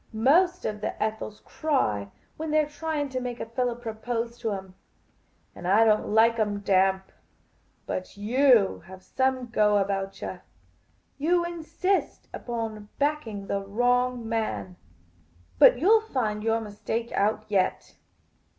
Most of the Ethels cry when they 're trying to make a fellah propose to 'em ; and I don't like 'em damp ; but you have some go about yah. You insist upon backing the wrong man. But you '11 find your mistake out yet."